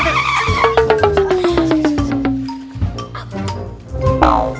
tunggu tunggu tunggu